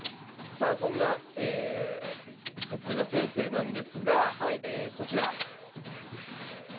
さあそんな勝浦先生なんですがこちら。